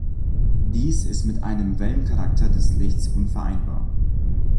Dies ist mit einem Wellencharakter des Lichts unvereinbar.